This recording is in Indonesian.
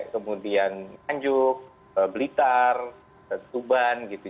kemudian nganjuk blitar tuban gitu